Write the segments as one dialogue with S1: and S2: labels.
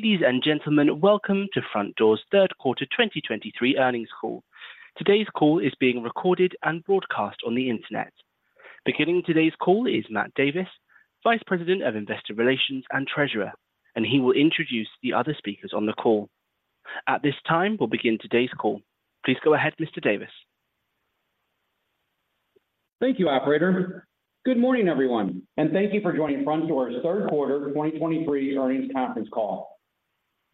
S1: Ladies and gentlemen, welcome to Frontdoor's third quarter 2023 earnings call. Today's call is being recorded and broadcast on the internet. Beginning today's call is Matt Davis, Vice President of Investor Relations and Treasurer, and he will introduce the other speakers on the call. At this time, we'll begin today's call. Please go ahead, Mr. Davis.
S2: Thank you, operator. Good morning, everyone, and thank you for joining Frontdoor's third quarter 2023 earnings conference call.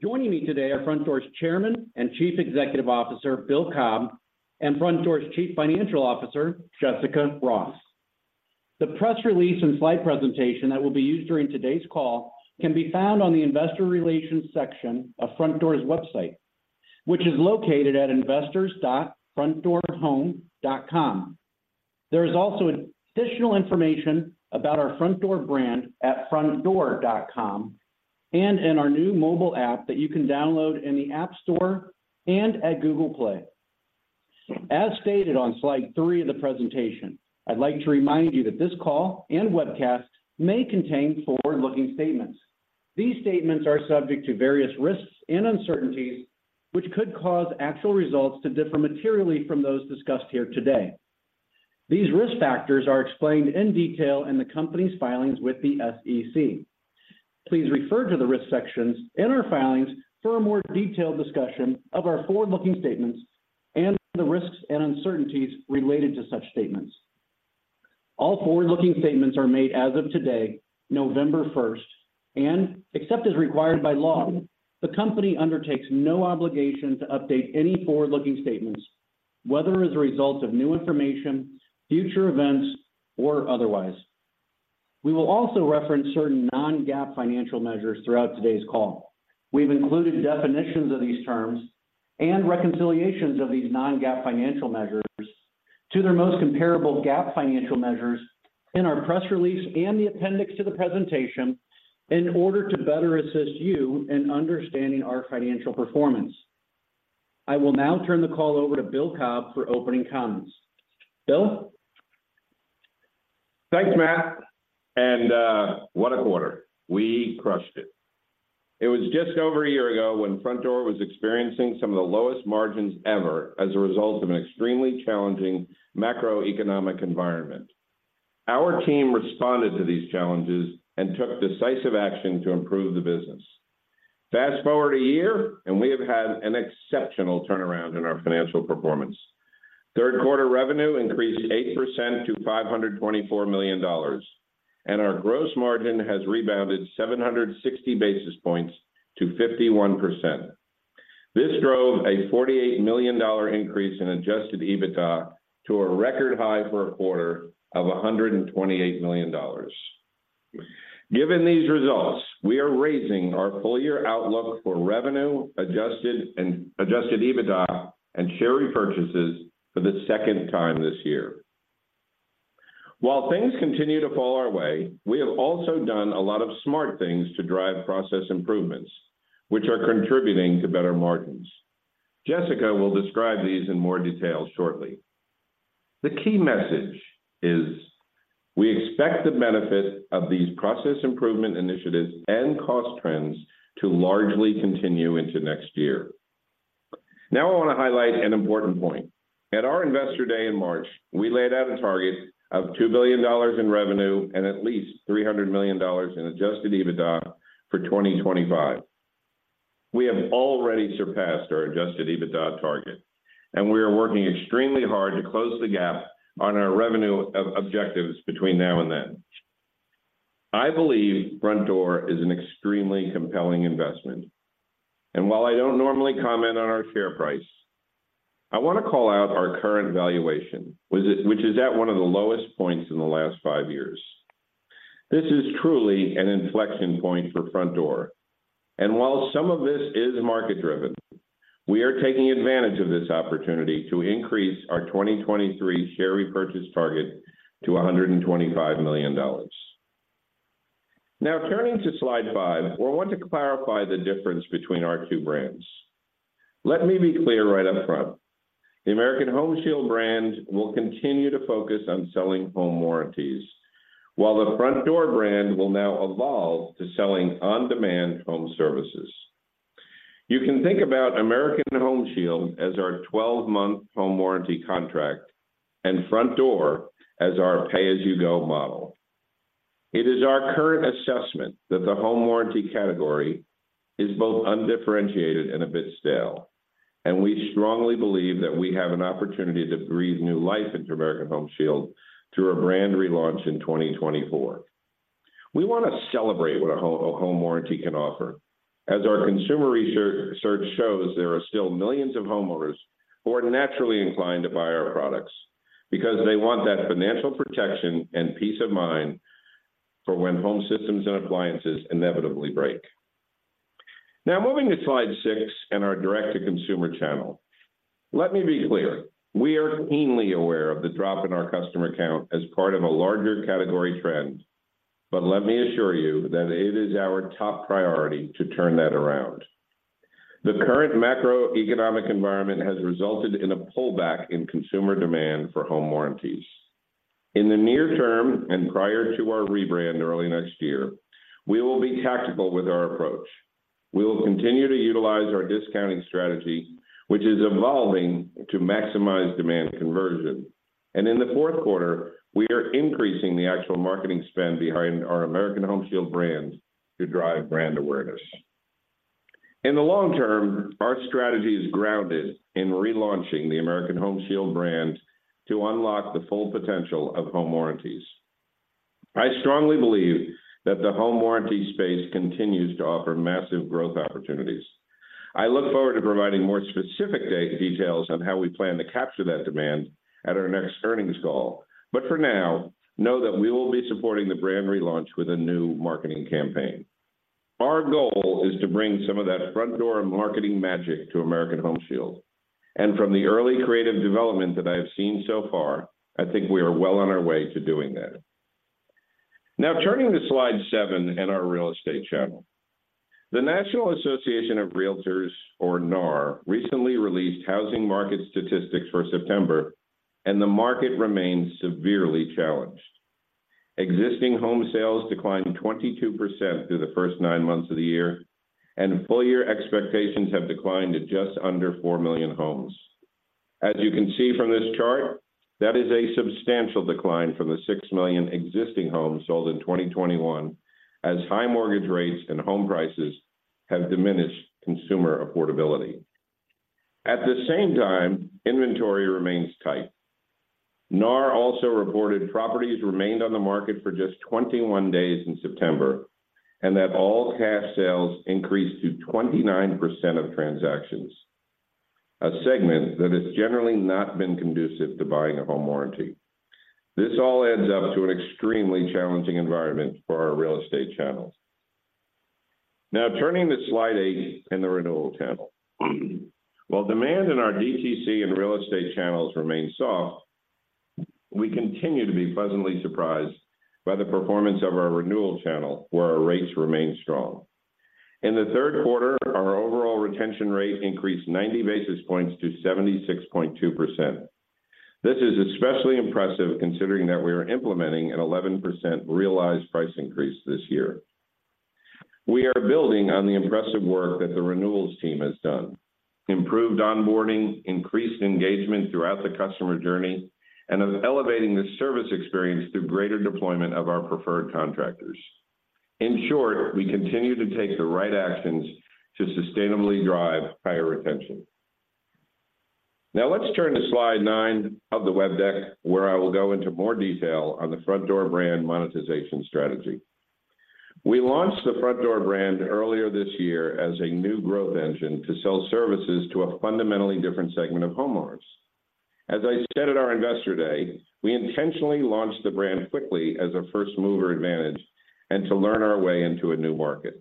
S2: Joining me today are Frontdoor's Chairman and Chief Executive Officer, Bill Cobb, and Frontdoor's Chief Financial Officer, Jessica Ross. The press release and slide presentation that will be used during today's call can be found on the Investor Relations section of Frontdoor's website, which is located at investors.frontdoorhome.com. There is also additional information about our Frontdoor brand at frontdoor.com and in our new mobile app that you can download in the App Store and at Google Play. As stated on Slide 3 of the presentation, I'd like to remind you that this call and webcast may contain forward-looking statements. These statements are subject to various risks and uncertainties, which could cause actual results to differ materially from those discussed here today. These risk factors are explained in detail in the company's filings with the SEC. Please refer to the risk sections in our filings for a more detailed discussion of our forward-looking statements and the risks and uncertainties related to such statements. All forward-looking statements are made as of today, November first, and except as required by law, the company undertakes no obligation to update any forward-looking statements, whether as a result of new information, future events, or otherwise. We will also reference certain non-GAAP financial measures throughout today's call. We've included definitions of these terms and reconciliations of these non-GAAP financial measures to their most comparable GAAP financial measures in our press release and the appendix to the presentation in order to better assist you in understanding our financial performance. I will now turn the call over to Bill Cobb for opening comments. Bill?
S3: Thanks, Matt, and what a quarter! We crushed it. It was just over a year ago when Frontdoor was experiencing some of the lowest margins ever as a result of an extremely challenging macroeconomic environment. Our team responded to these challenges and took decisive action to improve the business. Fast forward a year, and we have had an exceptional turnaround in our financial performance. Third quarter revenue increased 8% to $524 million, and our gross margin has rebounded 760 basis points to 51%. This drove a $48 million increase in adjusted EBITDA to a record high for a quarter of $128 million. Given these results, we are raising our full-year outlook for revenue, adjusted and adjusted EBITDA and share repurchases for the second time this year. While things continue to fall our way, we have also done a lot of smart things to drive process improvements, which are contributing to better margins. Jessica will describe these in more detail shortly. The key message is we expect the benefit of these process improvement initiatives and cost trends to largely continue into next year. Now, I want to highlight an important point. At our Investor Day in March, we laid out a target of $2 billion in revenue and at least $300 million in Adjusted EBITDA for 2025. We have already surpassed our Adjusted EBITDA target, and we are working extremely hard to close the gap on our revenue objectives between now and then. I believe Frontdoor is an extremely compelling investment, and while I don't normally comment on our share price, I want to call out our current valuation, which is at one of the lowest points in the last 5 years. This is truly an inflection point for Frontdoor, and while some of this is market-driven, we are taking advantage of this opportunity to increase our 2023 share repurchase target to $125 million. Now, turning to Slide 5, I want to clarify the difference between our two brands. Let me be clear right up front. The American Home Shield brand will continue to focus on selling home warranties, while the Frontdoor brand will now evolve to selling on-demand home services. You can think about American Home Shield as our 12-month home warranty contract and Frontdoor as our pay-as-you-go model. It is our current assessment that the home warranty category is both undifferentiated and a bit stale, and we strongly believe that we have an opportunity to breathe new life into American Home Shield through a brand relaunch in 2024. We want to celebrate what a home warranty can offer. As our consumer research shows, there are still millions of homeowners who are naturally inclined to buy our products because they want that financial protection and peace of mind for when home systems and appliances inevitably break. Now, moving to Slide 6 and our direct-to-consumer channel. Let me be clear, we are keenly aware of the drop in our customer count as part of a larger category trend, but let me assure you that it is our top priority to turn that around. The current macroeconomic environment has resulted in a pullback in consumer demand for home warranties. In the near term, and prior to our rebrand early next year, we will be tactical with our approach. We will continue to utilize our discounting strategy, which is evolving to maximize demand conversion. In the fourth quarter, we are increasing the actual marketing spend behind our American Home Shield brand to drive brand awareness. In the long term, our strategy is grounded in relaunching the American Home Shield brand to unlock the full potential of home warranties. I strongly believe that the home warranty space continues to offer massive growth opportunities. I look forward to providing more specific details on how we plan to capture that demand at our next earnings call. For now, know that we will be supporting the brand relaunch with a new marketing campaign. Our goal is to bring some of that Frontdoor marketing magic to American Home Shield, and from the early creative development that I have seen so far, I think we are well on our way to doing that. Now, turning to Slide 7 in our real estate channel. The National Association of Realtors, or NAR, recently released housing market statistics for September, and the market remains severely challenged. Existing home sales declined 22% through the first nine months of the year, and full year expectations have declined to just under 4 million homes. As you can see from this chart, that is a substantial decline from the 6 million existing homes sold in 2021, as high mortgage rates and home prices have diminished consumer affordability. At the same time, inventory remains tight. NAR also reported properties remained on the market for just 21 days in September, and that all cash sales increased to 29% of transactions, a segment that has generally not been conducive to buying a home warranty. This all adds up to an extremely challenging environment for our real estate channels. Now, turning to Slide 8 in the renewal channel. While demand in our DTC and real estate channels remains soft, we continue to be pleasantly surprised by the performance of our renewal channel, where our rates remain strong. In the third quarter, our overall retention rate increased 90 basis points to 76.2%. This is especially impressive considering that we are implementing an 11% realized price increase this year. We are building on the impressive work that the renewals team has done: improved onboarding, increased engagement throughout the customer journey, and elevating the service experience through greater deployment of our preferred contractors. In short, we continue to take the right actions to sustainably drive higher retention. Now, let's turn to Slide 9 of the web deck, where I will go into more detail on the Frontdoor brand monetization strategy. We launched the Frontdoor brand earlier this year as a new growth engine to sell services to a fundamentally different segment of homeowners. As I said at our Investor Day, we intentionally launched the brand quickly as a first-mover advantage and to learn our way into a new market.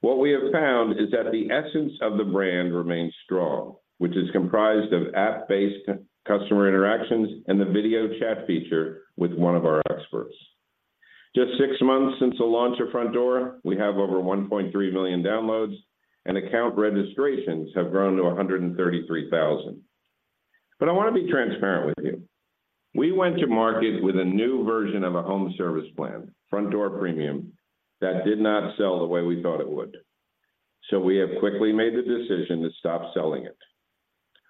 S3: What we have found is that the essence of the brand remains strong, which is comprised of app-based customer interactions and the video chat feature with one of our experts. Just six months since the launch of Frontdoor, we have over 1.3 million downloads, and account registrations have grown to 133,000. But I want to be transparent with you. We went to market with a new version of a home service plan, Frontdoor Premium, that did not sell the way we thought it would, so we have quickly made the decision to stop selling it.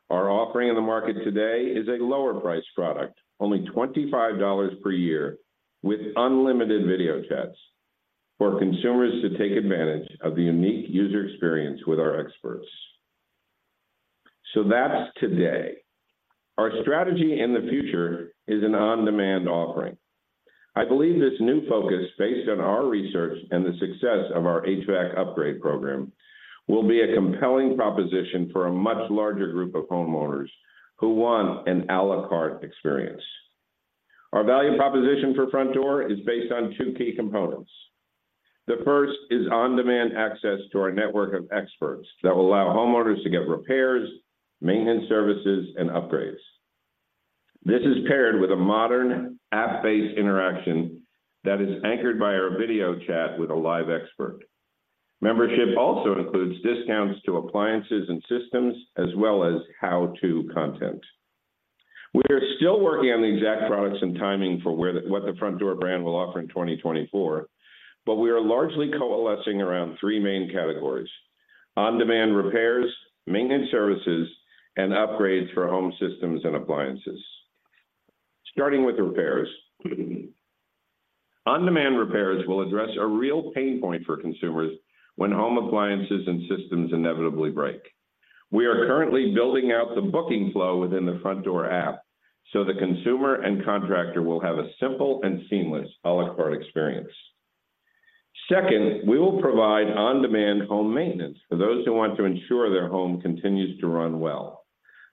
S3: Our offering in the market today is a lower-priced product, only $25 per year with unlimited video chats for consumers to take advantage of the unique user experience with our experts. So that's today. Our strategy in the future is an on-demand offering. I believe this new focus, based on our research and the success of our HVAC upgrade program, will be a compelling proposition for a much larger group of homeowners who want an à la carte experience. Our value proposition for Frontdoor is based on two key components. The first is on-demand access to our network of experts that will allow homeowners to get repairs, maintenance services, and upgrades. This is paired with a modern app-based interaction that is anchored by our video chat with a live expert. Membership also includes discounts to appliances and systems, as well as how-to content. We are still working on the exact products and timing for what the Frontdoor brand will offer in 2024, but we are largely coalescing around three main categories: on-demand repairs, maintenance services, and upgrades for home systems and appliances. Starting with the repairs, on-demand repairs will address a real pain point for consumers when home appliances and systems inevitably break. We are currently building out the booking flow within the Frontdoor app, so the consumer and contractor will have a simple and seamless à la carte experience. Second, we will provide on-demand home maintenance for those who want to ensure their home continues to run well.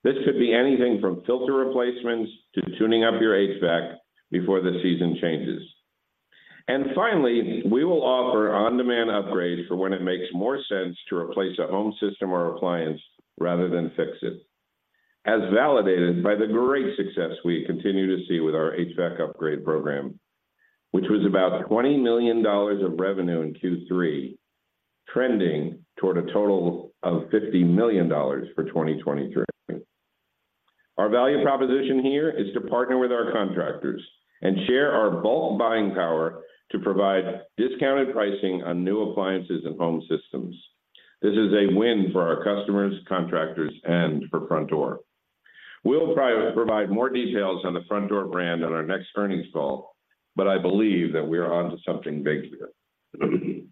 S3: This could be anything from filter replacements to tuning up your HVAC before the season changes. And finally, we will offer on-demand upgrades for when it makes more sense to replace a home system or appliance rather than fix it, as validated by the great success we continue to see with our HVAC upgrade program, which was about $20 million of revenue in Q3, trending toward a total of $50 million for 2023. Our value proposition here is to partner with our contractors and share our bulk buying power to provide discounted pricing on new appliances and home systems. This is a win for our customers, contractors, and for Frontdoor. We'll try to provide more details on the Frontdoor brand on our next earnings call, but I believe that we are onto something big here.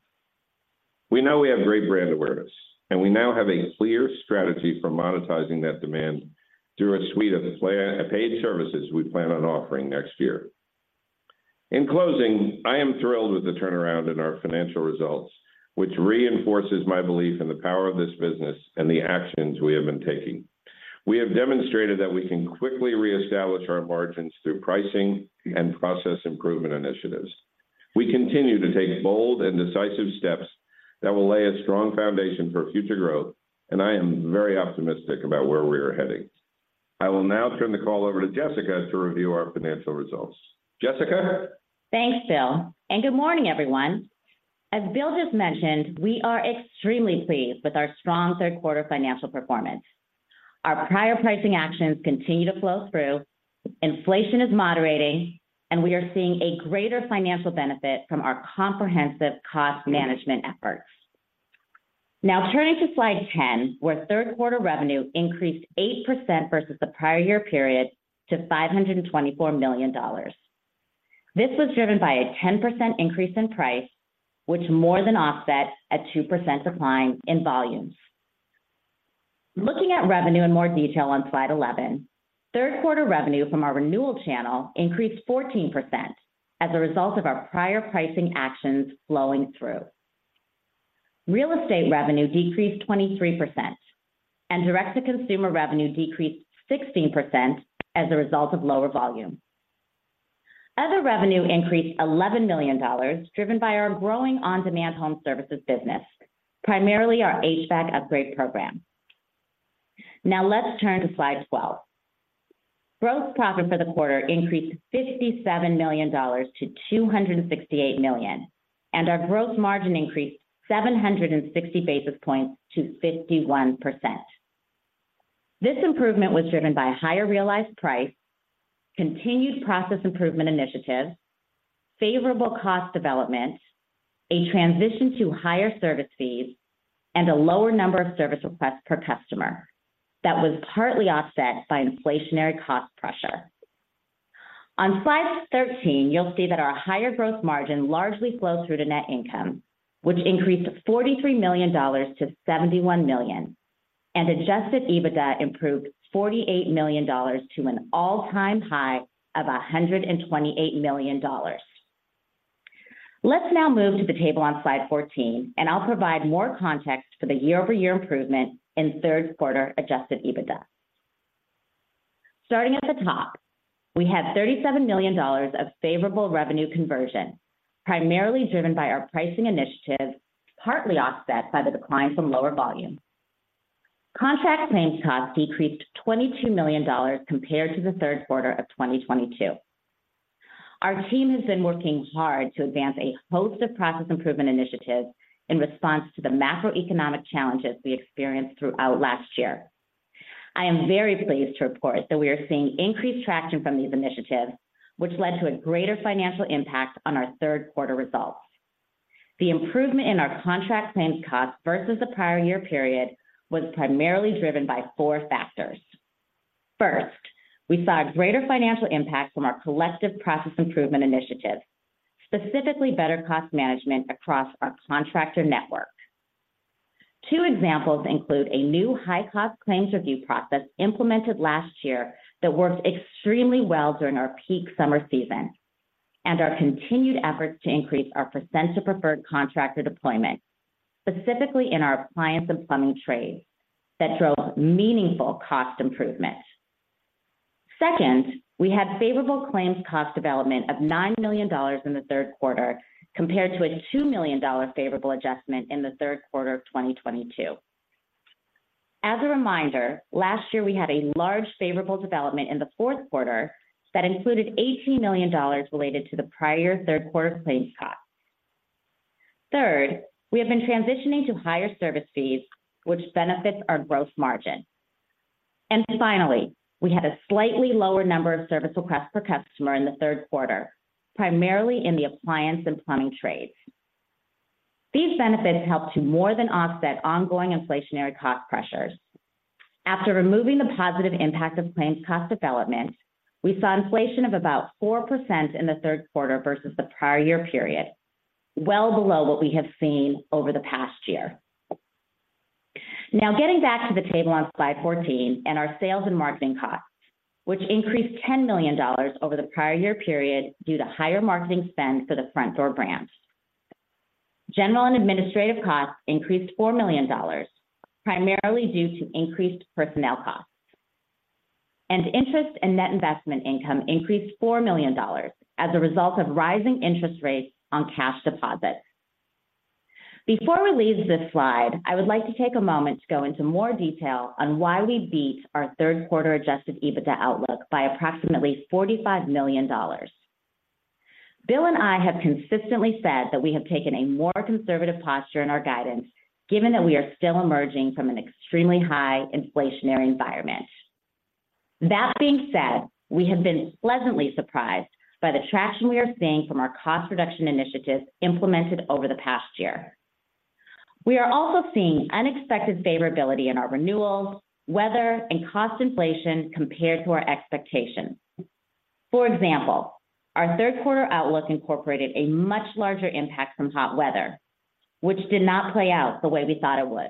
S3: We know we have great brand awareness, and we now have a clear strategy for monetizing that demand through a suite of paid services we plan on offering next year. In closing, I am thrilled with the turnaround in our financial results, which reinforces my belief in the power of this business and the actions we have been taking. We have demonstrated that we can quickly reestablish our margins through pricing and process improvement initiatives. We continue to take bold and decisive steps that will lay a strong foundation for future growth, and I am very optimistic about where we are heading. I will now turn the call over to Jessica to review our financial results. Jessica?
S4: Thanks, Bill, and good morning, everyone. As Bill just mentioned, we are extremely pleased with our strong third quarter financial performance. Our prior pricing actions continue to flow through, inflation is moderating, and we are seeing a greater financial benefit from our comprehensive cost management efforts. Now, turning to Slide 10, where third quarter revenue increased 8% versus the prior year period to $524 million. This was driven by a 10% increase in price, which more than offsets a 2% decline in volumes. Looking at revenue in more detail on Slide 11, third quarter revenue from our renewal channel increased 14% as a result of our prior pricing actions flowing through. Real estate revenue decreased 23%, and direct-to-consumer revenue decreased 16% as a result of lower volume. Other revenue increased $11 million, driven by our growing on-demand home services business, primarily our HVAC upgrade program. Now let's turn to Slide 12. Gross profit for the quarter increased $57 million-$268 million, and our gross margin increased 760 basis points to 51%. This improvement was driven by a higher realized price, continued process improvement initiatives, favorable cost development, a transition to higher service fees, and a lower number of service requests per customer that was partly offset by inflationary cost pressure. On Slide 13, you'll see that our higher gross margin largely flows through to net income, which increased $43 million-$71 million, and adjusted EBITDA improved $48 million to an all-time high of $128 million. Let's now move to the table on Slide 14, and I'll provide more context for the year-over-year improvement in third quarter Adjusted EBITDA. Starting at the top, we had $37 million of favorable revenue conversion, primarily driven by our pricing initiatives, partly offset by the decline from lower volume. Contract claims cost decreased $22 million compared to the third quarter of 2022. Our team has been working hard to advance a host of process improvement initiatives in response to the macroeconomic challenges we experienced throughout last year. I am very pleased to report that we are seeing increased traction from these initiatives, which led to a greater financial impact on our third quarter results. The improvement in our contract claims cost versus the prior year period was primarily driven by four factors. First, we saw a greater financial impact from our collective process improvement initiatives, specifically better cost management across our contractor network. Two examples include a new high-cost claims review process implemented last year that worked extremely well during our peak summer season, and our continued efforts to increase our % of preferred contractor deployment, specifically in our appliance and plumbing trades, that drove meaningful cost improvement. Second, we had favorable claims cost development of $9 million in the third quarter, compared to a $2 million favorable adjustment in the third quarter of 2022. As a reminder, last year, we had a large favorable development in the fourth quarter that included $18 million related to the prior third quarter claims cost. Third, we have been transitioning to higher service fees, which benefits our gross margin. Finally, we had a slightly lower number of service requests per customer in the third quarter, primarily in the appliance and plumbing trades. These benefits helped to more than offset ongoing inflationary cost pressures. After removing the positive impact of claims cost development, we saw inflation of about 4% in the third quarter versus the prior year period, well below what we have seen over the past year. Now, getting back to the table on Slide 14 and our sales and marketing costs, which increased $10 million over the prior year period due to higher marketing spend for the Frontdoor brand. General and administrative costs increased $4 million, primarily due to increased personnel costs. Interest and net investment income increased $4 million as a result of rising interest rates on cash deposits. Before we leave this slide, I would like to take a moment to go into more detail on why we beat our third quarter Adjusted EBITDA outlook by approximately $45 million. Bill and I have consistently said that we have taken a more conservative posture in our guidance, given that we are still emerging from an extremely high inflationary environment. That being said, we have been pleasantly surprised by the traction we are seeing from our cost reduction initiatives implemented over the past year. We are also seeing unexpected favorability in our renewals, weather, and cost inflation compared to our expectations. For example, our third quarter outlook incorporated a much larger impact from hot weather, which did not play out the way we thought it would.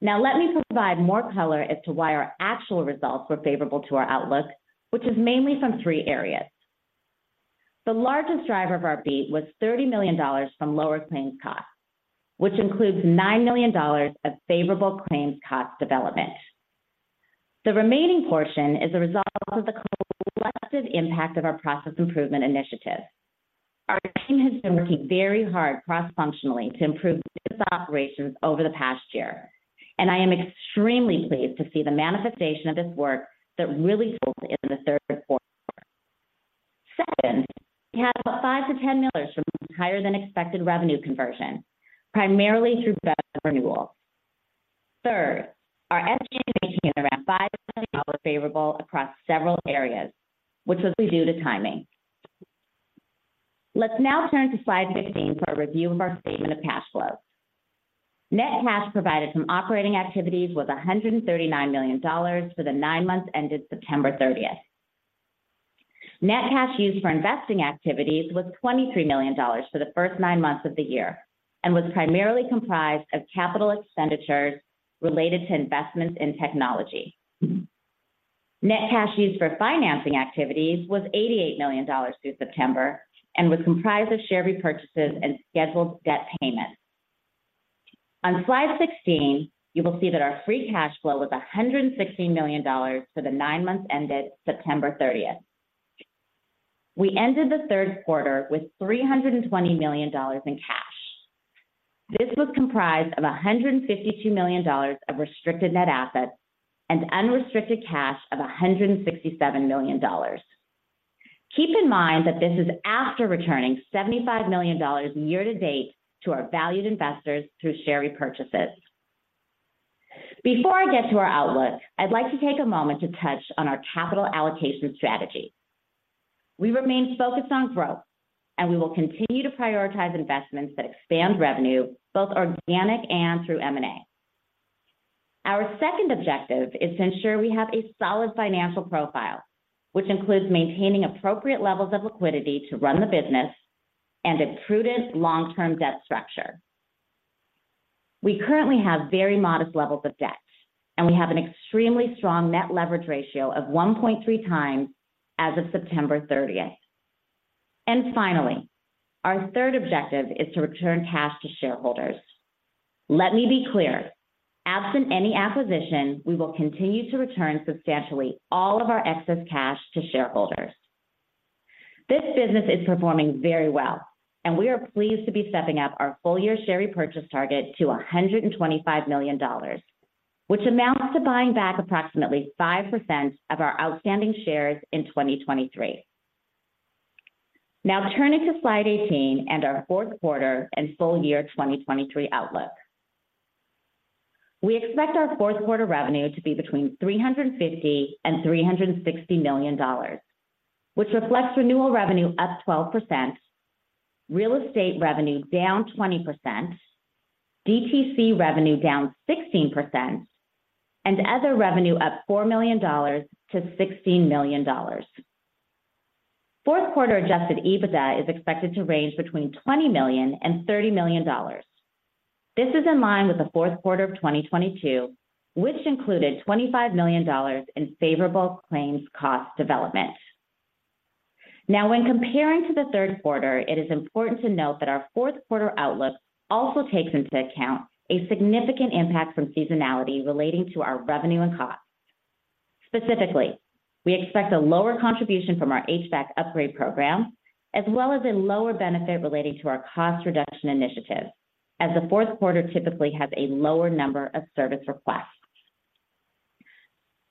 S4: Now, let me provide more color as to why our actual results were favorable to our outlook, which is mainly from three areas. The largest driver of our beat was $30 million from lower claims costs, which includes $9 million of favorable claims cost development. The remaining portion is a result of the collective impact of our process improvement initiatives. Our team has been working very hard cross-functionally to improve its operations over the past year, and I am extremely pleased to see the manifestation of this work that really pulled in the third quarter. Second, we had about $5 million-$10 million from higher than expected revenue conversion, primarily through better renewals. Third, our SG&A came in around $5 million favorable across several areas, which was due to timing. Let's now turn to Slide 15 for a review of our statement of cash flows. Net cash provided from operating activities was $139 million for the nine months ended September 30. Net cash used for investing activities was $23 million for the first nine months of the year, and was primarily comprised of capital expenditures related to investments in technology. Net cash used for financing activities was $88 million through September, and was comprised of share repurchases and scheduled debt payments. On Slide 16, you will see that our free cash flow was $116 million for the nine months ended September 30. We ended the third quarter with $320 million in cash. This was comprised of $152 million of restricted net assets and unrestricted cash of $167 million. Keep in mind that this is after returning $75 million year to date to our valued investors through share repurchases. Before I get to our outlook, I'd like to take a moment to touch on our capital allocation strategy. We remain focused on growth, and we will continue to prioritize investments that expand revenue, both organic and through M&A. Our second objective is to ensure we have a solid financial profile, which includes maintaining appropriate levels of liquidity to run the business and a prudent long-term debt structure. We currently have very modest levels of debt, and we have an extremely strong net leverage ratio of 1.3 times as of September 30th. Finally, our third objective is to return cash to shareholders. Let me be clear, absent any acquisition, we will continue to return substantially all of our excess cash to shareholders. This business is performing very well, and we are pleased to be stepping up our full-year share repurchase target to $125 million, which amounts to buying back approximately 5% of our outstanding shares in 2023. Now, turning to Slide 18 and our fourth quarter and full year 2023 outlook. We expect our fourth quarter revenue to be between $350 million and $360 million, which reflects renewal revenue up 12%, real estate revenue down 20%, DTC revenue down 16%, and other revenue up $4 million-$16 million. Fourth quarter Adjusted EBITDA is expected to range between $20 million and $30 million. This is in line with the fourth quarter of 2022, which included $25 million in favorable claims cost development. Now, when comparing to the third quarter, it is important to note that our fourth quarter outlook also takes into account a significant impact from seasonality relating to our revenue and costs. Specifically, we expect a lower contribution from our HVAC upgrade program, as well as a lower benefit relating to our cost reduction initiatives, as the fourth quarter typically has a lower number of service requests.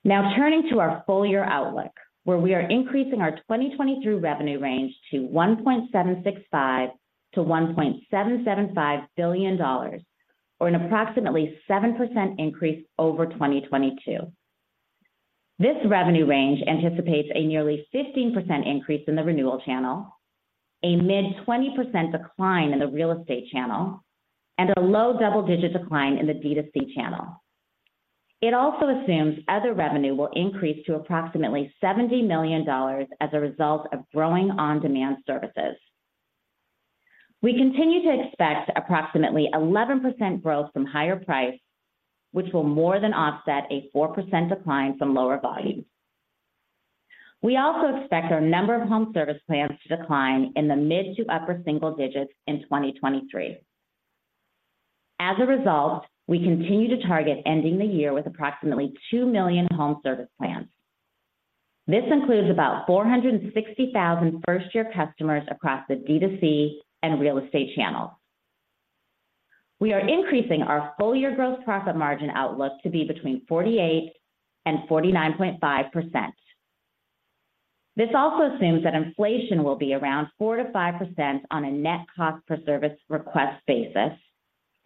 S4: Now, turning to our full-year outlook, where we are increasing our 2023 revenue range to $1.765 billion-$1.775 billion, or an approximately 7% increase over 2022. This revenue range anticipates a nearly 15% increase in the renewal channel, a mid-20% decline in the real estate channel, and a low double-digit decline in the DTC channel. It also assumes other revenue will increase to approximately $70 million as a result of growing on-demand services. We continue to expect approximately 11% growth from higher price, which will more than offset a 4% decline from lower volumes. We also expect our number of home service plans to decline in the mid- to upper-single digits in 2023. As a result, we continue to target ending the year with approximately 2 million home service plans. This includes about 460,000 first-year customers across the DTC and real estate channels. We are increasing our full-year gross profit margin outlook to be between 48% and 49.5%. This also assumes that inflation will be around 4%-5% on a net cost per service request basis,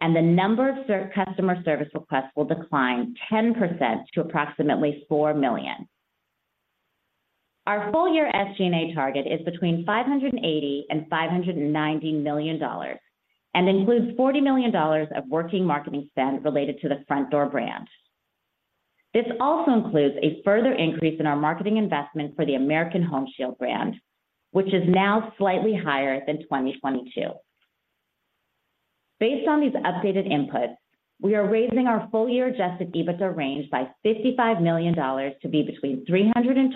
S4: and the number of customer service requests will decline 10% to approximately 4 million. Our full-year SG&A target is between $580 million and $590 million, and includes $40 million of working marketing spend related to the Frontdoor brand. This also includes a further increase in our marketing investment for the American Home Shield brand, which is now slightly higher than 2022. Based on these updated inputs, we are raising our full-year Adjusted EBITDA range by $55 million to be between $320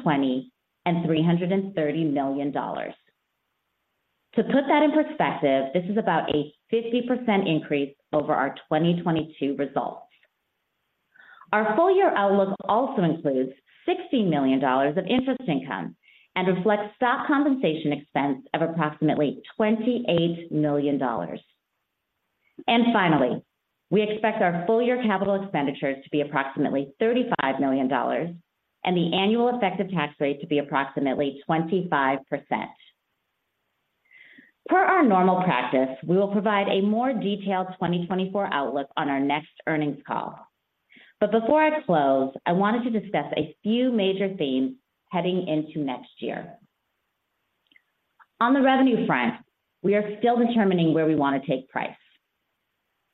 S4: million and $330 million. To put that in perspective, this is about a 50% increase over our 2022 results. Our full-year outlook also includes $60 million of interest income and reflects stock compensation expense of approximately $28 million. Finally, we expect our full-year capital expenditures to be approximately $35 million, and the annual effective tax rate to be approximately 25%. Per our normal practice, we will provide a more detailed 2024 outlook on our next earnings call. Before I close, I wanted to discuss a few major themes heading into next year. On the revenue front, we are still determining where we want to take price.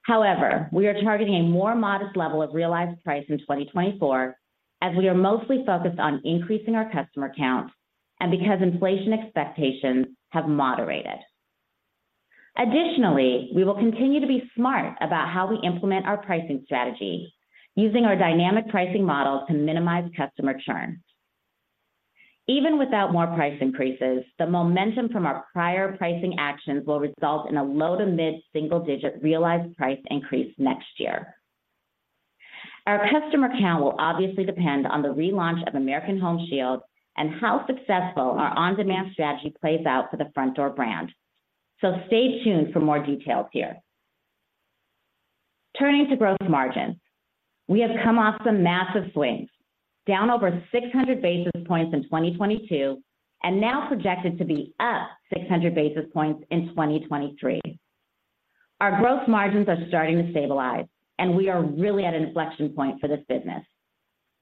S4: However, we are targeting a more modest level of realized price in 2024, as we are mostly focused on increasing our customer count and because inflation expectations have moderated. Additionally, we will continue to be smart about how we implement our pricing strategy, using our dynamic pricing model to minimize customer churn. Even without more price increases, the momentum from our prior pricing actions will result in a low to mid single digit realized price increase next year. Our customer count will obviously depend on the relaunch of American Home Shield and how successful our on-demand strategy plays out for the Frontdoor brand. So stay tuned for more details here. Turning to gross margins, we have come off some massive swings, down over 600 basis points in 2022, and now projected to be up 600 basis points in 2023. Our gross margins are starting to stabilize, and we are really at an inflection point for this business.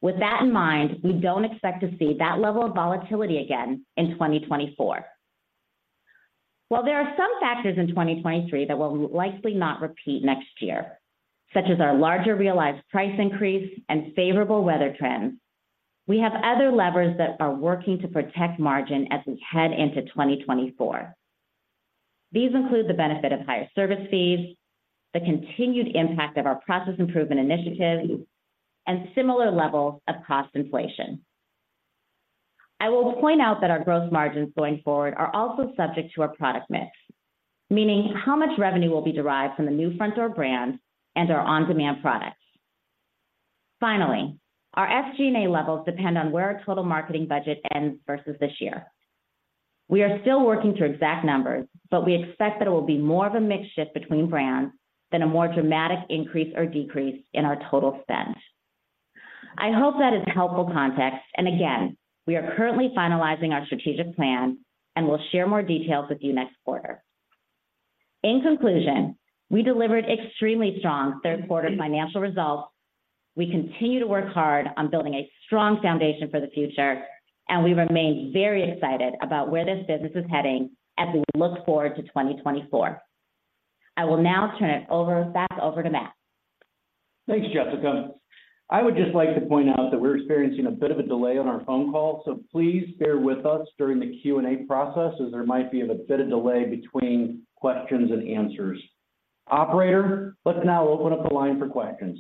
S4: With that in mind, we don't expect to see that level of volatility again in 2024. While there are some factors in 2023 that will likely not repeat next year, such as our larger realized price increase and favorable weather trends, we have other levers that are working to protect margin as we head into 2024. These include the benefit of higher service fees, the continued impact of our process improvement initiatives, and similar levels of cost inflation. I will point out that our gross margins going forward are also subject to our product mix, meaning how much revenue will be derived from the new Frontdoor brand and our on-demand products. Finally, our SG&A levels depend on where our total marketing budget ends versus this year. We are still working through exact numbers, but we expect that it will be more of a mix shift between brands than a more dramatic increase or decrease in our total spend. I hope that is helpful context, and again, we are currently finalizing our strategic plan, and we'll share more details with you next quarter. In conclusion, we delivered extremely strong third quarter financial results. We continue to work hard on building a strong foundation for the future, and we remain very excited about where this business is heading as we look forward to 2024. I will now turn it over, back over to Matt.
S3: Thanks, Jessica. I would just like to point out that we're experiencing a bit of a delay on our phone call, so please bear with us during the Q&A process, as there might be a bit of delay between questions and answers. Operator, let's now open up the line for questions.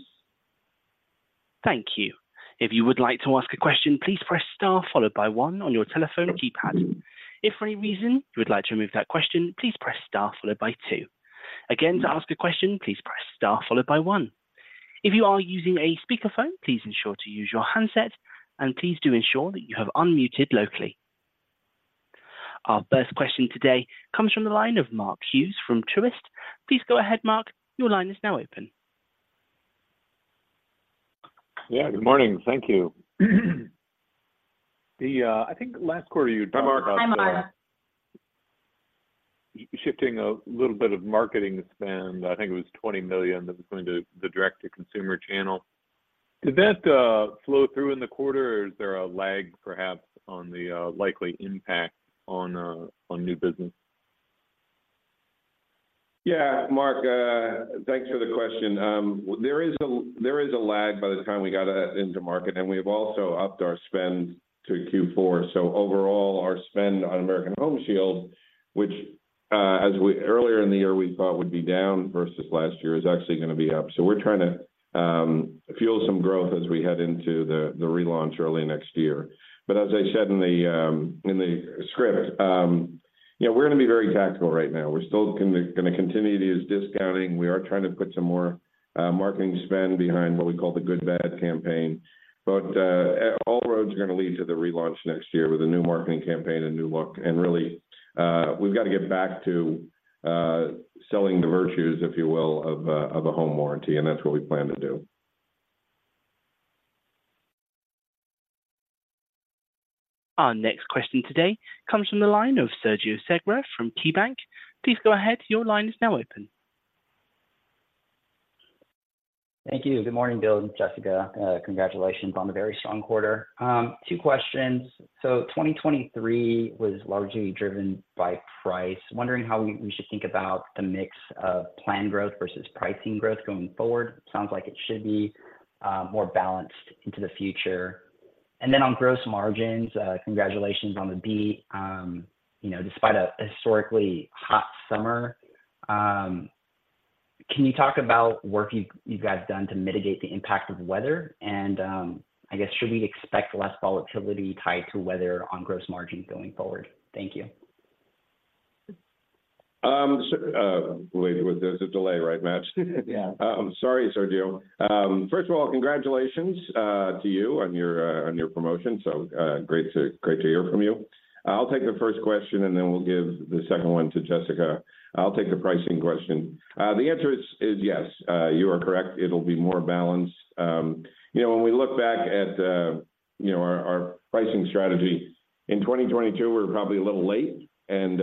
S1: Thank you. If you would like to ask a question, please press star followed by one on your telephone keypad. If for any reason you would like to remove that question, please press star followed by two. Again, to ask a question, please press star followed by one. If you are using a speakerphone, please ensure to use your handset, and please do ensure that you have unmuted locally. Our first question today comes from the line of Mark Hughes from Truist. Please go ahead, Mark. Your line is now open.
S5: Yeah, good morning. Thank you. The, I think last quarter you talked about-
S3: Hi, Mark.
S4: Hi, Mark.
S5: Shifting a little bit of marketing spend, I think it was $20 million, that was going to the direct-to-consumer channel. Did that flow through in the quarter, or is there a lag perhaps on the likely impact on new business?
S3: Yeah, Mark, thanks for the question. There is a lag by the time we got that into market, and we've also upped our spend to Q4. So overall, our spend on American Home Shield, which, as we earlier in the year, we thought would be down versus last year, is actually gonna be up. So we're trying to fuel some growth as we head into the relaunch early next year. But as I said in the script. Yeah, we're gonna be very tactical right now. We're still gonna continue to use discounting. We are trying to put some more marketing spend behind what we call the Good Bad campaign. But all roads are gonna lead to the relaunch next year with a new marketing campaign and new look. Really, we've got to get back to selling the virtues, if you will, of a home warranty, and that's what we plan to do.
S1: Our next question today comes from the line of Sergio Segura from KeyBanc. Please go ahead, your line is now open.
S6: Thank you. Good morning, Bill and Jessica. Congratulations on the very strong quarter. 2 questions. So 2023 was largely driven by price. Wondering how we, we should think about the mix of plan growth versus pricing growth going forward? Sounds like it should be more balanced into the future. And then on gross margins, congratulations on the beat. You know, despite a historically hot summer, can you talk about work you, you guys have done to mitigate the impact of weather? And I guess, should we expect less volatility tied to weather on gross margins going forward? Thank you.
S3: So, wait. There's a delay, right, Matt?
S4: Yeah.
S3: Sorry, Sergio. First of all, congratulations to you on your promotion. So, great to hear from you. I'll take the first question, and then we'll give the second one to Jessica. I'll take the pricing question. The answer is yes. You are correct. It'll be more balanced. You know, when we look back at you know, our pricing strategy, in 2022, we were probably a little late and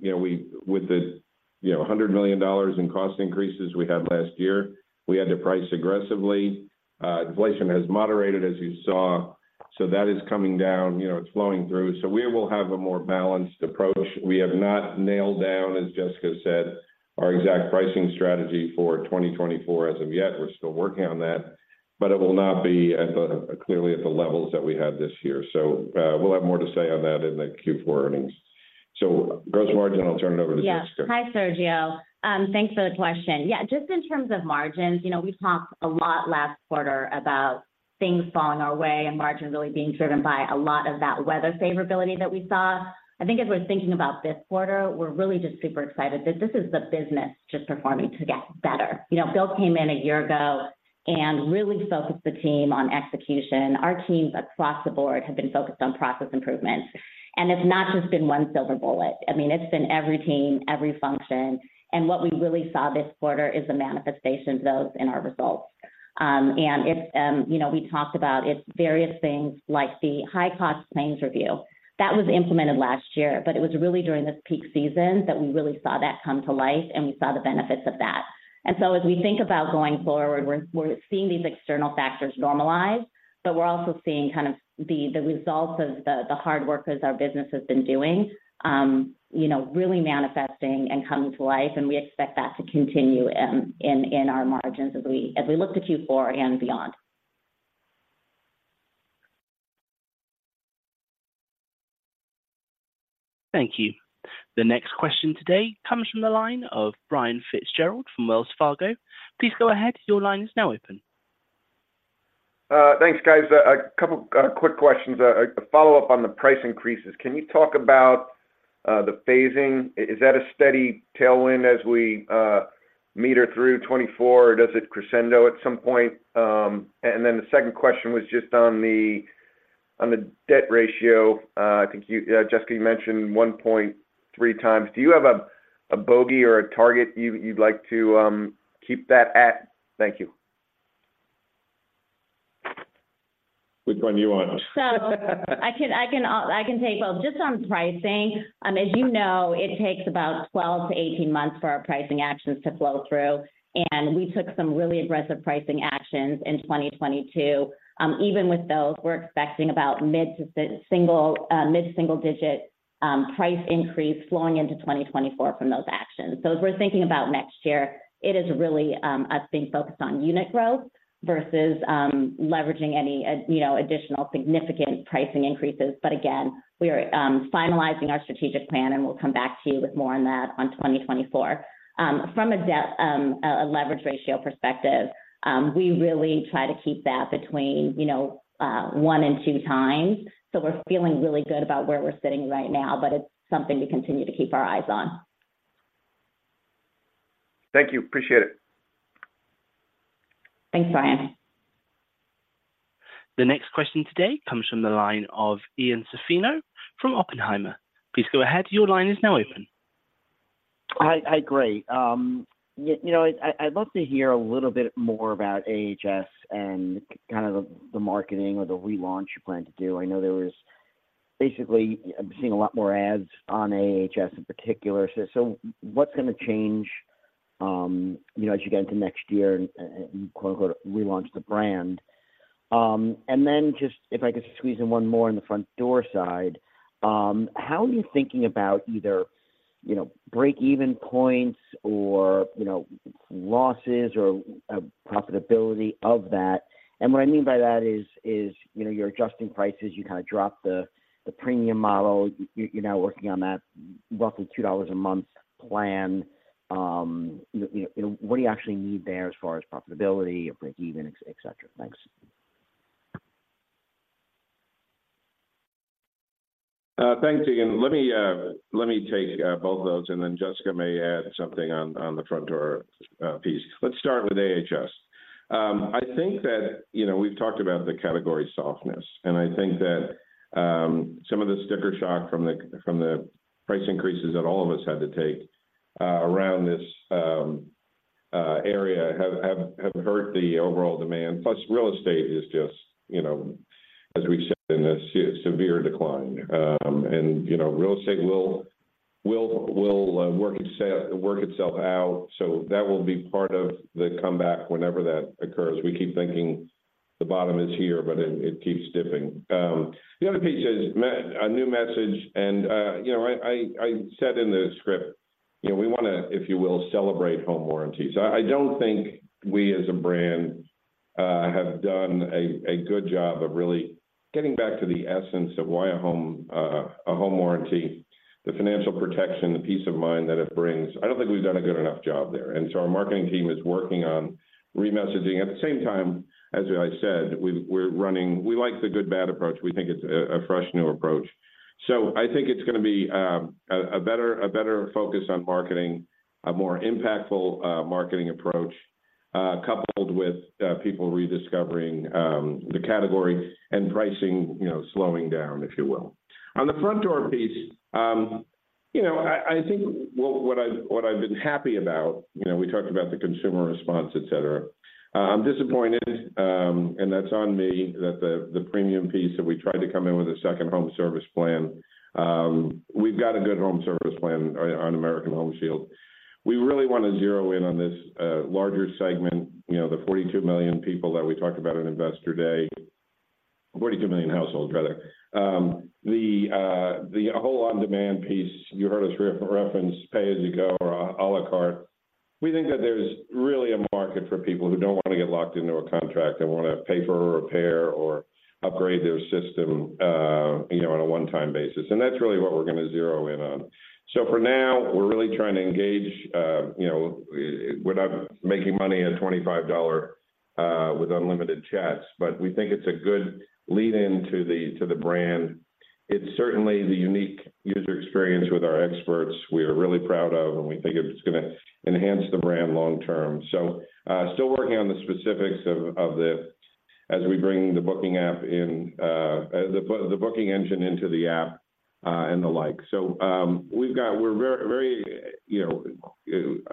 S3: you know, with the you know, $100 million in cost increases we had last year, we had to price aggressively. Inflation has moderated, as you saw, so that is coming down, you know, it's flowing through. So we will have a more balanced approach. We have not nailed down, as Jessica said, our exact pricing strategy for 2024 as of yet. We're still working on that, but it will not be at, clearly at the levels that we had this year. So, we'll have more to say on that in the Q4 earnings. So gross margin, I'll turn it over to Jessica.
S4: Yeah. Hi, Sergio. Thanks for the question. Yeah, just in terms of margins, you know, we talked a lot last quarter about things falling our way and margins really being driven by a lot of that weather favorability that we saw. I think as we're thinking about this quarter, we're really just super excited. This is the business just performing to get better. You know, Bill came in a year ago and really focused the team on execution. Our teams across the board have been focused on process improvement, and it's not just been one silver bullet. I mean, it's been every team, every function. And what we really saw this quarter is a manifestation of those in our results. And it's, you know, we talked about it's various things like the high-cost claims review. That was implemented last year, but it was really during this peak season that we really saw that come to life, and we saw the benefits of that. And so as we think about going forward, we're, we're seeing these external factors normalize, but we're also seeing kind of the, the results of the, the hard workers our business has been doing, you know, really manifesting and coming to life, and we expect that to continue in, in, in our margins as we, as we look to Q4 and beyond.
S1: Thank you. The next question today comes from the line of Brian Fitzgerald from Wells Fargo. Please go ahead. Your line is now open.
S7: Thanks, guys. A couple quick questions. A follow-up on the price increases. Can you talk about the phasing? Is that a steady tailwind as we meter through 2024, or does it crescendo at some point? And then the second question was just on the debt ratio. I think you, Jessica, you mentioned 1.3 times. Do you have a bogey or a target you'd like to keep that at? Thank you.
S3: Which one do you want?
S4: So I can take both. Just on pricing, as you know, it takes about 12-18 months for our pricing actions to flow through, and we took some really aggressive pricing actions in 2022. Even with those, we're expecting about mid-single-digit price increase flowing into 2024 from those actions. So as we're thinking about next year, it is really us being focused on unit growth versus leveraging any, you know, additional significant pricing increases. But again, we are finalizing our strategic plan, and we'll come back to you with more on that on 2024. From a debt leverage ratio perspective, we really try to keep that between, you know, one and two times. We're feeling really good about where we're sitting right now, but it's something we continue to keep our eyes on.
S7: Thank you. Appreciate it.
S4: Thanks, Brian.
S1: The next question today comes from the line of Ian Zaffino from Oppenheimer. Please go ahead. Your line is now open.
S8: Hi. Hi, great. You know, I'd love to hear a little bit more about AHS and kind of the marketing or the relaunch you plan to do. I know there was basically... I'm seeing a lot more ads on AHS in particular. So what's gonna change, you know, as you get into next year and, quote, unquote, "relaunch the brand"? And then just if I could squeeze in one more on the Frontdoor side, how are you thinking about either, you know, break-even points or, you know, losses or profitability of that? And what I mean by that is, you know, you're adjusting prices, you kind of drop the premium model, you're now working on that roughly $2 a month plan. You know, what do you actually need there as far as profitability or break even, et cetera? Thanks....
S3: Thanks, Ian. Let me take both of those, and then Jessica may add something on the Frontdoor piece. Let's start with AHS. I think that, you know, we've talked about the category softness, and I think that some of the sticker shock from the price increases that all of us had to take around this area have hurt the overall demand. Plus, real estate is just, you know, as we've said, in a severe decline. And, you know, real estate will work itself out, so that will be part of the comeback whenever that occurs. We keep thinking the bottom is here, but it keeps dipping. The other piece is my new message, and, you know, I said in the script, you know, we wanna, if you will, celebrate home warranties. I don't think we as a brand have done a good job of really getting back to the essence of why a home warranty, the financial protection, the peace of mind that it brings. I don't think we've done a good enough job there, and so our marketing team is working on re-messaging. At the same time, as I said, we're running. We like the good, bad approach. We think it's a fresh, new approach. So I think it's gonna be a better focus on marketing, a more impactful marketing approach, coupled with people rediscovering the category and pricing, you know, slowing down, if you will. On the Frontdoor piece, you know, I think what I've been happy about, you know, we talked about the consumer response, et cetera. I'm disappointed, and that's on me, that the premium piece that we tried to come in with a second home service plan. We've got a good home service plan on American Home Shield. We really want to zero in on this larger segment, you know, the 42 million people that we talked about on Investor Day. 42 million households, rather. The whole on-demand piece, you heard us reference pay-as-you-go or a la carte. We think that there's really a market for people who don't want to get locked into a contract. They want to pay for a repair or upgrade their system, you know, on a one-time basis, and that's really what we're gonna zero in on. So for now, we're really trying to engage, you know, without making money at $25 with unlimited chats, but we think it's a good lead-in to the brand. It's certainly the unique user experience with our experts we are really proud of, and we think it's gonna enhance the brand long term. So, still working on the specifics of as we bring the booking app in, the booking engine into the app, and the like. We're very, very, you know,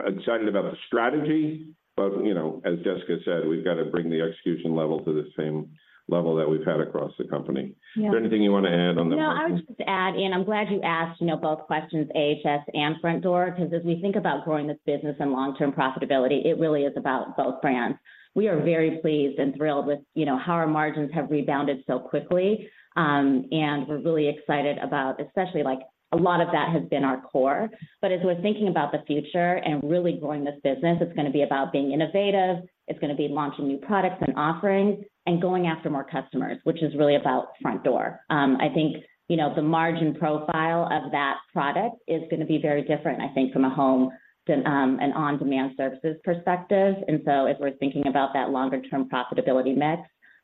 S3: excited about the strategy, but, you know, as Jessica said, we've got to bring the execution level to the same level that we've had across the company.
S4: Yeah.
S3: Is there anything you want to add on the-
S4: No, I would just add in, I'm glad you asked, you know, both questions, AHS and Frontdoor, because as we think about growing this business and long-term profitability, it really is about both brands. We are very pleased and thrilled with, you know, how our margins have rebounded so quickly. And we're really excited about especially, like a lot of that has been our core. But as we're thinking about the future and really growing this business, it's gonna be about being innovative, it's gonna be launching new products and offerings, and going after more customers, which is really about Frontdoor. I think, you know, the margin profile of that product is gonna be very different, I think, from a home, an on-demand services perspective. So as we're thinking about that longer term profitability mix,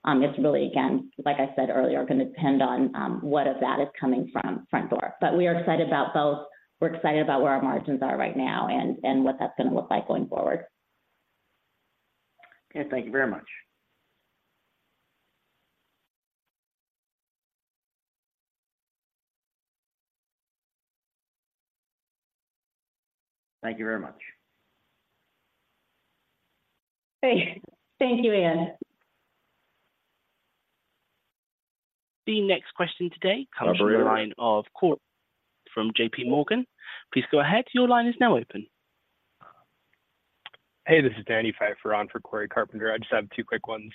S4: it's really, again, like I said earlier, gonna depend on what of that is coming from Frontdoor. But we are excited about both. We're excited about where our margins are right now and what that's gonna look like going forward.
S8: Okay. Thank you very much. Thank you very much.
S4: Hey, thank you, Ian.
S1: The next question today comes-
S3: Operator
S1: From the line of Cory from J.P. Morgan. Please go ahead. Your line is now open.
S9: Hey, this is Danny Pfeiffer on for Cory Carpenter. I just have two quick ones.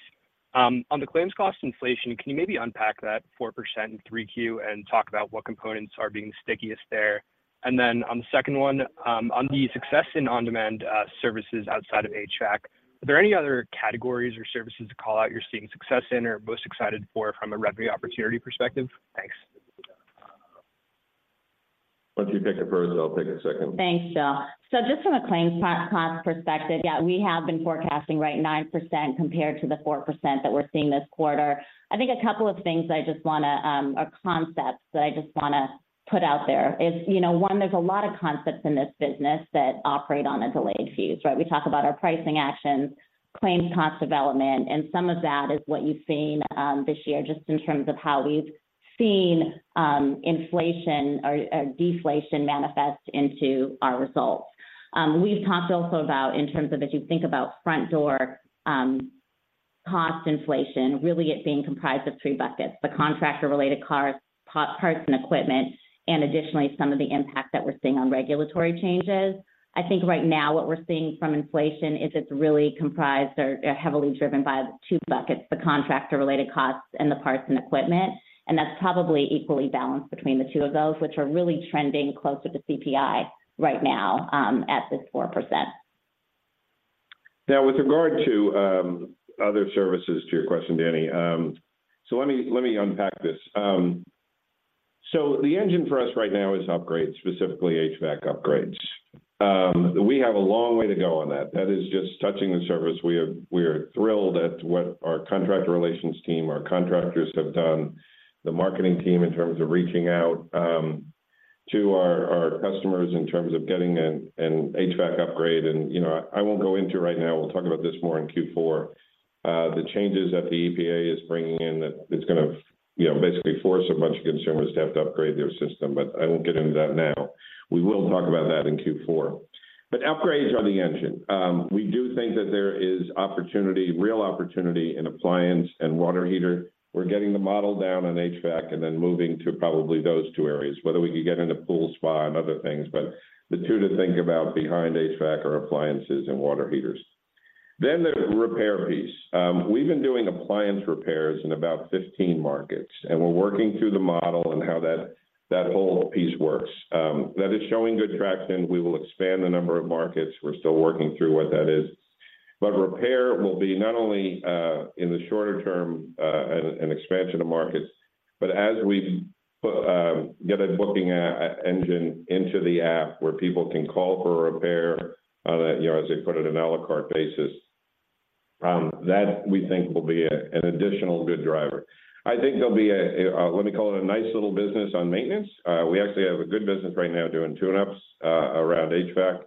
S9: On the claims cost inflation, can you maybe unpack that 4% in three Q and talk about what components are being stickiest there? And then on the second one, on the success in on-demand, services outside of HVAC, are there any other categories or services to call out you're seeing success in or most excited for from a revenue opportunity perspective? Thanks.
S3: Why don't you take it first, I'll take the second.
S4: Thanks, Joe. So just from a claims cost perspective, yeah, we have been forecasting, right, 9% compared to the 4% that we're seeing this quarter. I think a couple of things I just wanna, or concepts that I just wanna put out there is, you know, one, there's a lot of concepts in this business that operate on a delayed fuse, right? We talk about our pricing actions, claims cost development, and some of that is what you've seen, this year, just in terms of how we've seen, inflation or, or deflation manifest into our results. We've talked also about in terms of as you think about Frontdoor, cost inflation, really it being comprised of three buckets: the contractor-related costs, parts, and equipment, and additionally, some of the impact that we're seeing on regulatory changes. I think right now what we're seeing from inflation is it's really comprised or heavily driven by two buckets, the contractor-related costs and the parts and equipment, and that's probably equally balanced between the two of those, which are really trending closer to CPI right now at this 4%.
S3: Now, with regard to other services, to your question, Danny, so let me let me unpack this. So the engine for us right now is upgrades, specifically HVAC upgrades. We have a long way to go on that. That is just touching the surface. We are thrilled at what our contractor relations team, our contractors have done, the marketing team in terms of reaching out to our customers in terms of getting an HVAC upgrade. And, you know, I won't go into right now, we'll talk about this more in Q4, the changes that the EPA is bringing in, that it's gonna, you know, basically force a bunch of consumers to have to upgrade their system, but I won't get into that now. We will talk about that in Q4. But upgrades are the engine. We do think that there is opportunity, real opportunity in appliance and water heater. We're getting the model down on HVAC, and then moving to probably those two areas, whether we can get into pool, spa, and other things. But the two to think about behind HVAC are appliances and water heaters. Then the repair piece. We've been doing appliance repairs in about 15 markets, and we're working through the model on how that whole piece works. That is showing good traction. We will expand the number of markets. We're still working through what that is. But repair will be, not only, in the shorter term, an expansion of markets, but as we get a booking engine into the app where people can call for a repair, you know, as they put it, an à la carte basis, that we think will be an additional good driver. I think there'll be, let me call it, a nice little business on maintenance. We actually have a good business right now doing tune-ups around HVAC.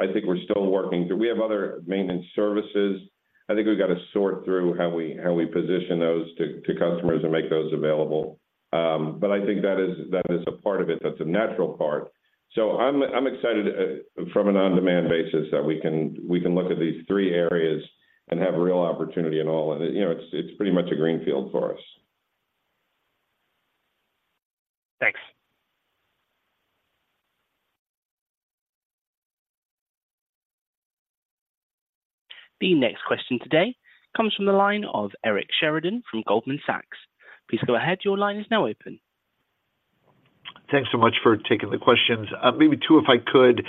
S3: I think we're still working. Do we have other maintenance services? I think we've got to sort through how we position those to customers and make those available. But I think that is a part of it. That's a natural part. So I'm excited from an on-demand basis that we can look at these three areas and have real opportunity in all of it. You know, it's pretty much a greenfield for us.
S5: Thanks.
S1: The next question today comes from the line of Eric Sheridan from Goldman Sachs. Please go ahead. Your line is now open.
S10: Thanks so much for taking the questions. Maybe two, if I could.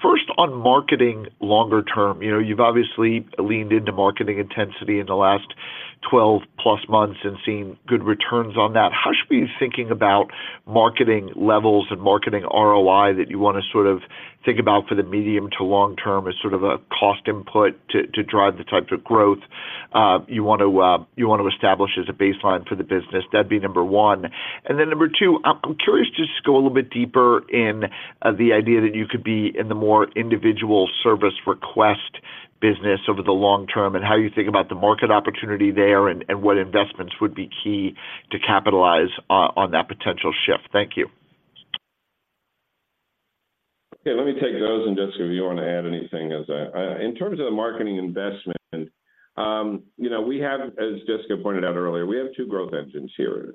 S10: First, on marketing longer term, you know, you've obviously leaned into marketing intensity in the last 12+ months and seen good returns on that. How should we be thinking about marketing levels and marketing ROI that you want to sort of think about for the medium to long term as sort of a cost input to, to drive the types of growth, you want to, you want to establish as a baseline for the business? That'd be number one. And then number two, I'm curious to just go a little bit deeper in the idea that you could be in the more individual service request business over the long term, and how you think about the market opportunity there, and what investments would be key to capitalize on that potential shift? Thank you.
S3: Okay, let me take those, and Jessica, if you want to add anything as I in terms of the marketing investment, you know, we have, as Jessica pointed out earlier, we have two growth engines here.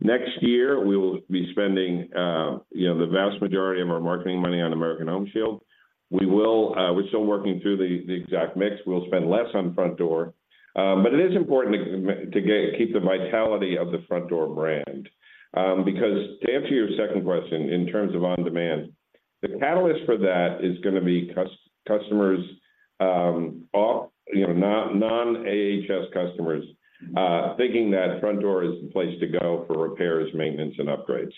S3: Next year, we will be spending, you know, the vast majority of our marketing money on American Home Shield. We will. We're still working through the exact mix. We'll spend less on Frontdoor. But it is important to keep the vitality of the Frontdoor brand. Because to answer your second question, in terms of on-demand, the catalyst for that is gonna be customers of, you know, non-AHS customers thinking that Frontdoor is the place to go for repairs, maintenance, and upgrades.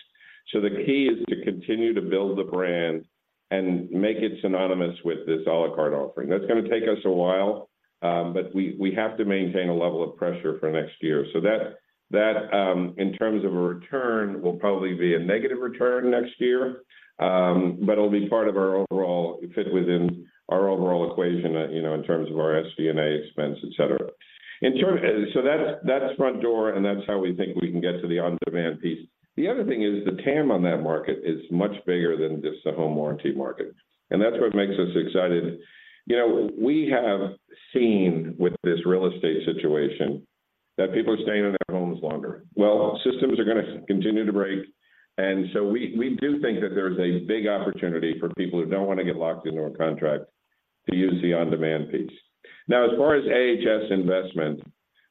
S3: So the key is to continue to build the brand and make it synonymous with this à la carte offering. That's gonna take us a while, but we have to maintain a level of pressure for next year. So that, in terms of a return, will probably be a negative return next year. But it'll be part of our overall... It fit within our overall equation, you know, in terms of our SG&A expense, et cetera. So that's Frontdoor, and that's how we think we can get to the on-demand piece. The other thing is, the TAM on that market is much bigger than just the home warranty market, and that's what makes us excited. You know, we have seen with this real estate situation that people are staying in their homes longer. Well, systems are gonna continue to break, and so we do think that there's a big opportunity for people who don't want to get locked into a contract to use the on-demand piece. Now, as far as AHS investment,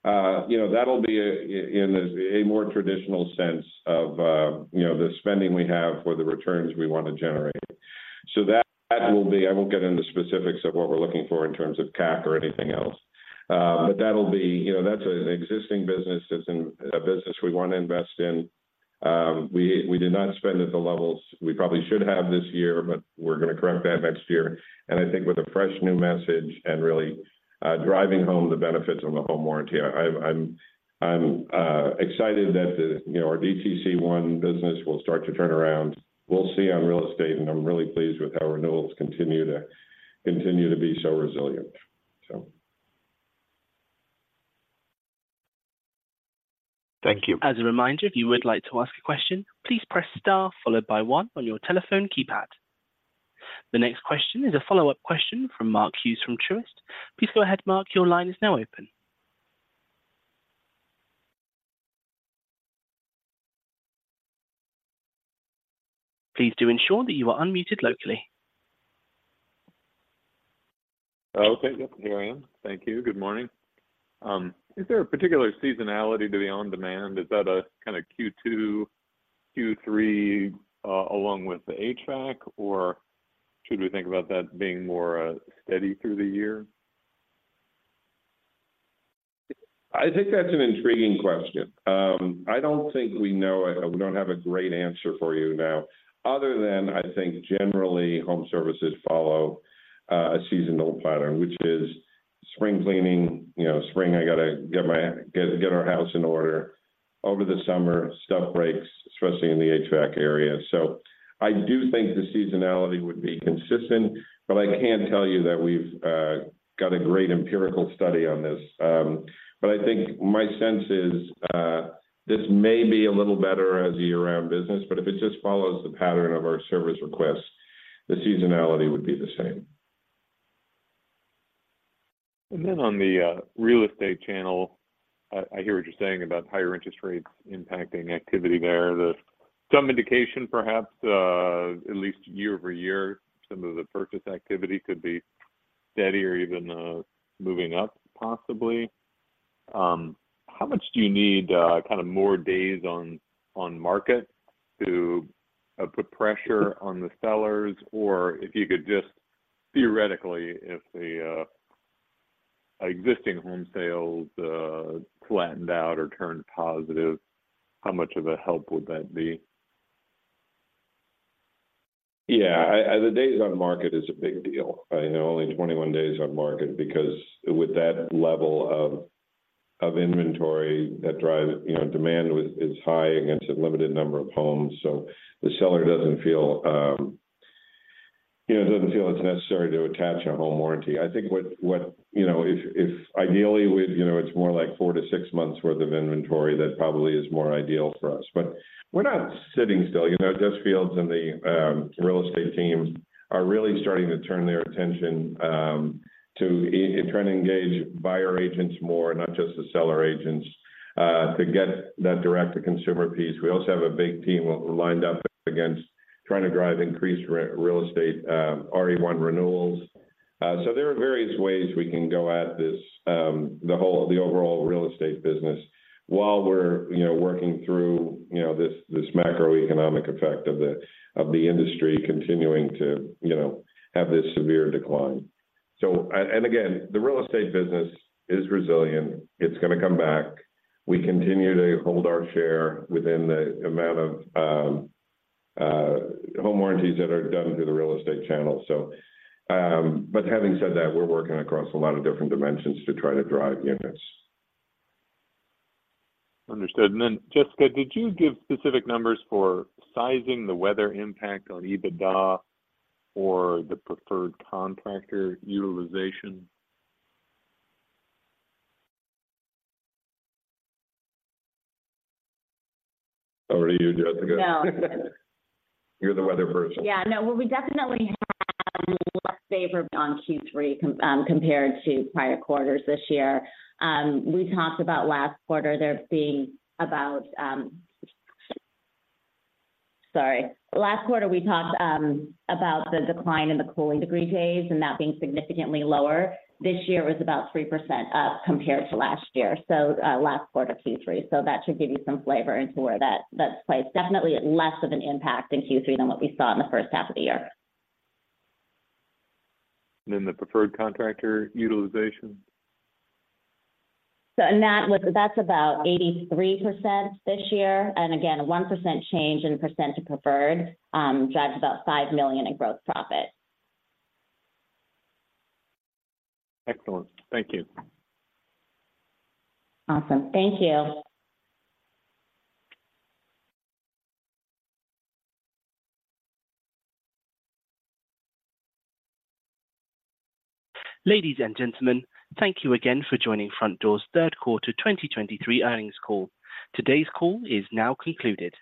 S3: you know, that'll be in a more traditional sense of the spending we have for the returns we want to generate. So that will be... I won't get into specifics of what we're looking for in terms of CAC or anything else, but that'll be—you know, that's an existing business, a business we want to invest in. We did not spend at the levels we probably should have this year, but we're gonna correct that next year. I think with a fresh new message and really driving home the benefits on the home warranty, I'm excited that, you know, our DTC1 business will start to turn around. We'll see on real estate, and I'm really pleased with how renewals continue to be so resilient, so.
S10: Thank you.
S1: As a reminder, if you would like to ask a question, please press star followed by one on your telephone keypad. The next question is a follow-up question from Mark Hughes from Truist. Please go ahead, Mark. Your line is now open. Please do ensure that you are unmuted locally.
S5: Okay, yep, here I am. Thank you. Good morning. Is there a particular seasonality to the on-demand? Is that a kind of Q2, Q3, along with the HVAC, or should we think about that being more steady through the year?...
S3: I think that's an intriguing question. I don't think we know, we don't have a great answer for you now, other than I think generally, home services follow a seasonal pattern, which is spring cleaning. You know, spring, I gotta get our house in order. Over the summer, stuff breaks, especially in the HVAC area. So I do think the seasonality would be consistent, but I can't tell you that we've got a great empirical study on this. But I think my sense is, this may be a little better as a year-round business, but if it just follows the pattern of our service requests, the seasonality would be the same.
S5: On the real estate channel, I hear what you're saying about higher interest rates impacting activity there. There's some indication, perhaps, at least year over year, some of the purchase activity could be steady or even moving up, possibly. How much do you need kind of more days on market to put pressure on the sellers? Or if you could just theoretically, if the existing home sales flattened out or turned positive, how much of a help would that be?
S3: Yeah, I, the days on market is a big deal. I know only 21 days on market, because with that level of, of inventory that drive... You know, demand is high against a limited number of homes, so the seller doesn't feel, you know, doesn't feel it's necessary to attach a home warranty. I think what, you know, if ideally, we'd, you know, it's more like 4-6 months worth of inventory, that probably is more ideal for us. But we're not sitting still. You know, Jeff Fiedler and the, real estate team are really starting to turn their attention, to trying to engage buyer agents more, not just the seller agents, to get that direct-to-consumer piece. We also have a big team lined up against trying to drive increased real estate renewals. So there are various ways we can go at this, the overall real estate business, while we're, you know, working through, you know, this macroeconomic effect of the industry continuing to, you know, have this severe decline. And again, the real estate business is resilient. It's gonna come back. We continue to hold our share within the amount of home warranties that are done through the real estate channel. So, but having said that, we're working across a lot of different dimensions to try to drive units.
S5: Understood. And then, Jessica, did you give specific numbers for sizing the weather impact on EBITDA or the preferred contractor utilization?
S3: Over to you, Jessica.
S4: No.
S3: You're the weather person.
S4: Yeah. No, well, we definitely had less favor on Q3 compared to prior quarters this year. We talked about last quarter there being about... Sorry. Last quarter, we talked about the decline in the cooling degree days, and that being significantly lower. This year was about 3% up compared to last year, so last quarter, Q3. So that should give you some flavor into where that that's placed. Definitely less of an impact in Q3 than what we saw in the first half of the year.
S5: And then the preferred contractor utilization?
S4: So that's about 83% this year, and again, a 1% change in percent to preferred drives about $5 million in gross profit.
S5: Excellent. Thank you.
S4: Awesome. Thank you.
S1: Ladies and gentlemen, thank you again for joining Frontdoor's third quarter 2023 earnings call. Today's call is now concluded.